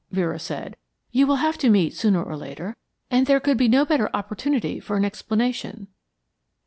Vera said. "You will have to meet sooner or later, and there could be no better opportunity for an explanation."